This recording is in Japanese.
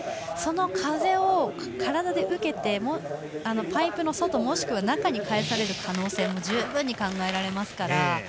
その風を体で受けてパイプの外、もしくは中に返される可能性も十分考えられますから。